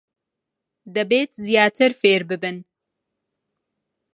دەبێت زیاتر فێر ببن.